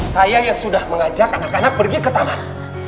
saya yang sudah mengajak anak anak pergi ke taman